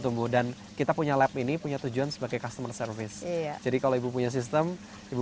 tumbuh dan kita punya lab ini punya tujuan sebagai customer service jadi kalau ibu punya sistem ibu